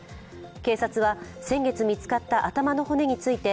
警察は、先月見つかった頭の骨について